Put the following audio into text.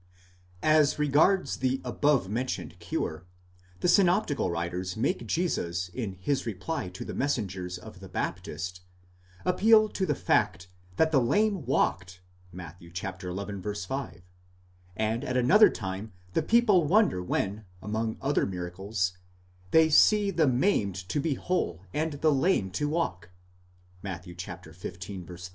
As regards the above mentioned cure, the synoptical writers make Jesus in his reply to the messengers of the Baptist, appeal to the fact that the lame walked (Matt. xi. 5), and at another time the people wonder when, among other miracles, they see the maimed to be whole and the lame to walk (Matt. xv. 31).